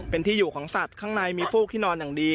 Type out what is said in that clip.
เป็นที่อยู่ของสัตว์ข้างในมีฟูกที่นอนอย่างดี